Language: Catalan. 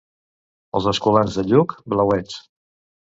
Els escolans de Lluc, blauets.